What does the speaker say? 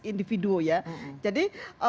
individu ya jadi